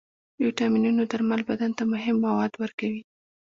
د ویټامینونو درمل بدن ته مهم مواد ورکوي.